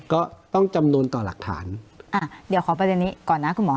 ก็ต้องจำนวนต่อหลักฐานอ่าเดี๋ยวขอประเด็นนี้ก่อนนะคุณหมอ